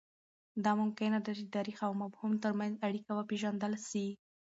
دا ممکنه ده چې د تاریخ او مفهوم ترمنځ اړیکه وپېژندل سي.